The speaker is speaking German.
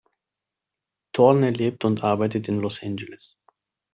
Thorne lebt und arbeitet in Los Angeles.